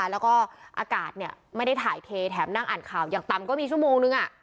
แล้วก็อากาศไม่ได้ถ่ายเทแถมนั่งอ่านข่าวอย่างต่ำก็มีชั่วโมงนึง